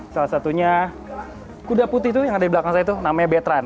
salah satunya kuda putih itu yang ada di belakang saya itu namanya betran